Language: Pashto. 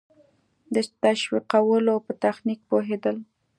د تشویقولو په تخنیک پوهېدل.